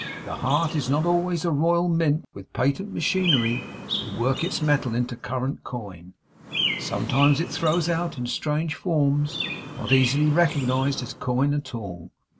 The heart is not always a royal mint, with patent machinery to work its metal into current coin. Sometimes it throws it out in strange forms, not easily recognized as coin at all.